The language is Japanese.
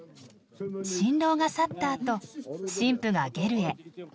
新郎が去ったあと新婦がゲルへ。